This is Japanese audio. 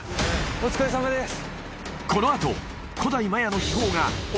お疲れさまです